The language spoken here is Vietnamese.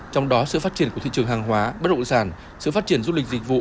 trong đó sự phát triển của thị trường hàng hóa bất động sản sự phát triển du lịch dịch vụ